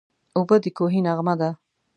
اوبه د کوهي نغمه ده.